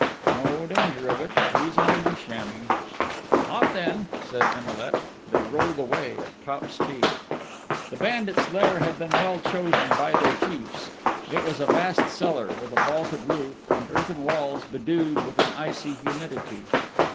"No danger of it! He's only shamming!" "Off, then!" said Emilet. They rolled away at top speed. The bandits' lair had been well chosen by their chiefs. It was a vast cellar, with a vaulted roof, and earthen walls bedewed with an icy humidity.